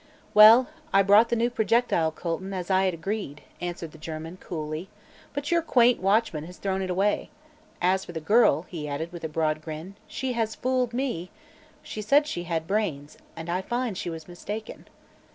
"Well, I brought the new projectile, Colton, as I had agreed," answered the German, coolly, "but your quaint watchman has thrown it away. As for the girl," he added, with a broad grin, "she has fooled me. She said she had brains, and I find she was mistaken."